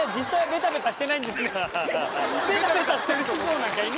ベタベタしてる師匠なんかいねえだろう。